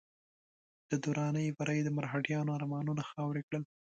د دراني بري د مرهټیانو ارمانونه خاورې کړل.